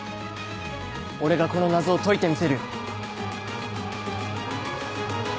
俺がこの謎を解いてみせるよ。